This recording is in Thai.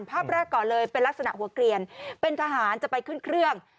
ภาพแรกก่อนเลยเป็นลักษณะหัวเกลียนเป็นทหารจะไปขึ้นเครื่อง